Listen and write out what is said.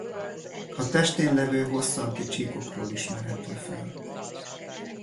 A testén levő hosszanti csíkokról ismerhető fel.